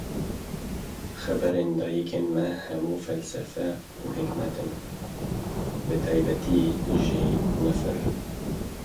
Xeberên dayîkên me hemû felsefe û hîkmet in bi taybetî jî nifir.